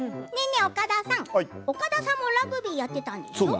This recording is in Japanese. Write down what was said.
え岡田さん、岡田さんもラグビーやっていたんでしょう？